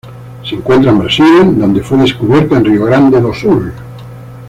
Se encuentra en Brasil, donde fue descubierta en Rio Grande do Sul.